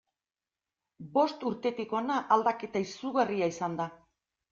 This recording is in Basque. Bost urtetik hona aldaketa izugarria izan da.